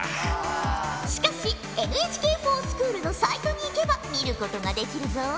しかしＮＨＫｆｏｒＳｃｈｏｏｌのサイトに行けば見ることができるぞ。